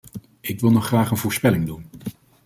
Ik wil nog graag een voorspelling doen.